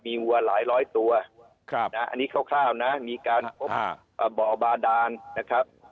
มีวัวหลายร้อยตัวอันนี้คร่าวนะมีการพบบ่อบาดานนะครับ